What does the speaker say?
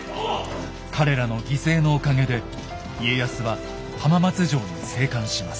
彼らの犠牲のおかげで家康は浜松城に生還します。